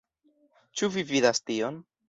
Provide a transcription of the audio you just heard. Ĉu vi vidas tion?